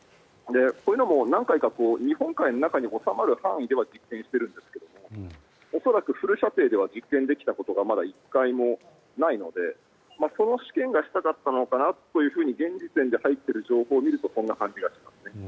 そういうのも何回か日本海に収まる分には実験しているんですが恐らくフル射程では実験できたことが１回もないのでその試験がしたかったのかなと現時点で入っている情報を見るとこんな感じがしますね。